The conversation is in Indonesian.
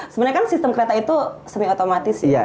sebenarnya kan sistem kereta itu semi otomatis ya